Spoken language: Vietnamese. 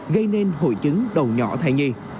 gây nên hội chứng đầu nhỏ thai nhi